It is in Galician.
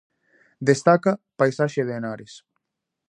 Destaca "Paisaxe de Henares".